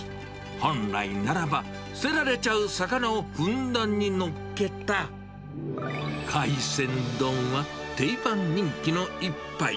本来ならば、捨てられちゃう魚をふんだんにのっけた、海鮮丼は、定番人気の一杯。